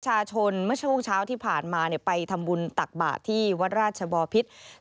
เมื่อช่วงเช้าที่ผ่านมาไปทำบุญตักบาทที่วัดราชบอพิษ